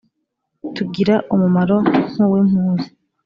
tugira umumaro nk’uw’impuza: